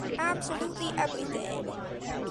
Absolutely everything.